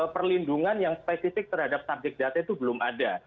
perlindungan yang spesifik terhadap subjek data itu belum ada